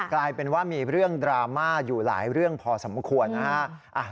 กลายเป็นว่ามีเรื่องดราม่าอยู่หลายเรื่องพอสมควรนะฮะ